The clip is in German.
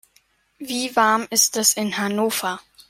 Wie warm ist es in Hannover?